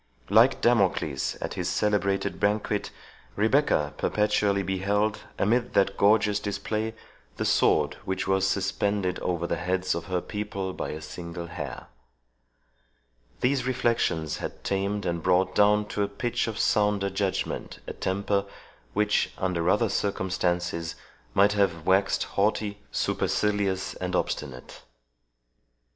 Like Damocles at his celebrated banquet, Rebecca perpetually beheld, amid that gorgeous display, the sword which was suspended over the heads of her people by a single hair. These reflections had tamed and brought down to a pitch of sounder judgment a temper, which, under other circumstances, might have waxed haughty, supercilious, and obstinate.